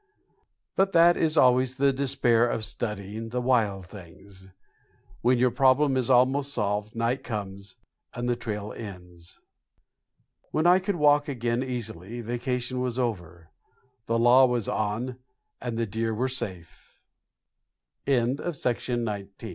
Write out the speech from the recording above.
But that is always the despair of studying the wild things. When your problem is almost solved, night comes and the trail ends. When I could walk again easily vacation was over, the law was on, and the deer were safe. SNOW BOUND March is a weary month f